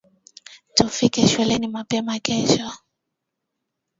Tufike shuleni mapema kesho